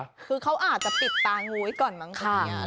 คือเขาอาจจะปิดตางูไว้ก่อนมั้งคะ